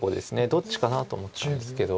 どっちかなと思ったんですけど。